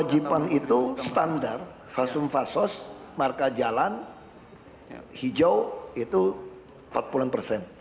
kewajiban itu standar fasum fasos marka jalan hijau itu empat puluh an persen